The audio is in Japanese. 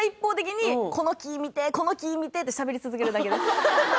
「この木見て！」ってしゃべり続けるだけです